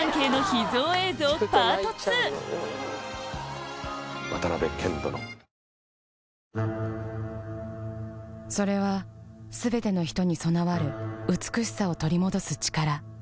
パート２それはすべての人に備わる美しさを取り戻す力